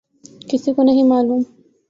کسی کو نہیں معلوم۔